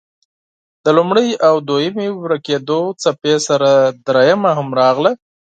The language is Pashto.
د لومړۍ او دویمې ورکېدو څپې سره دريمه هم راغله.